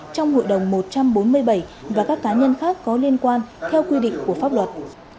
trong hội đồng một trăm bốn mươi bảy và các cá nhân khác có liên quan theo quy định của pháp luật